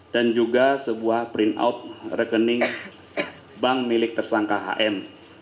dan juga sebuah print out rekening bank milik tersangka hm